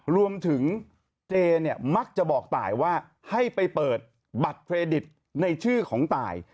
รวมถึงเจเนี่ยมักจะบอกตายว่าให้ไปเปิดบัตรเครดิตในชื่อของตาย